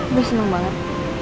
udah seneng banget